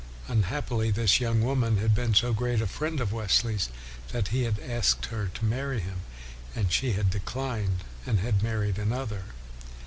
Unhappily, this young woman had been so great a friend of Wesley's that he had asked her to marry him, and she had declined, and had mar ried another.